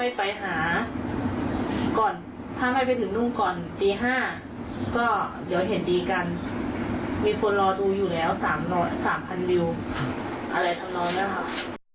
อะไรทำน้องนะครับ